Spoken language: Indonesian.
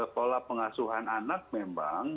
pola pengasuhan anak memang